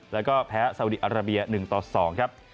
แล้วก็แพ้สาวดีอาราเบีย๑ต่อ๒ครับ